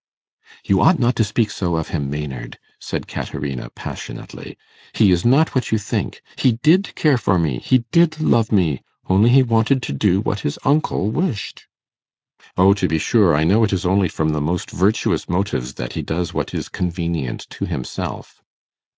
'You ought not to speak so of him, Maynard,' said Caterina, passionately. 'He is not what you think. He did care for me; he did love me; only he wanted to do what his uncle wished.' 'O to be sure! I know it is only from the most virtuous motives that he does what is convenient to himself.